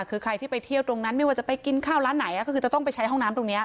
คือใครที่ไปเที่ยวตรงนั้นไม่ว่าจะไปกินข้าวร้านไหนก็คือจะต้องไปใช้ห้องน้ำตรงนี้